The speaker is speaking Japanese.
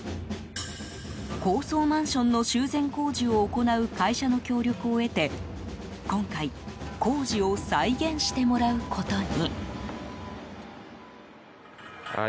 高層マンションの修繕工事を行う会社の協力を得て今回、工事を再現してもらうことに。